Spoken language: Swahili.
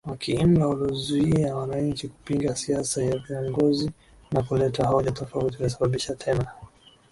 wa kiimla uliozuia wananchi kupinga siasa ya viongozi na kuleta hoja tofauti ulisababisha tena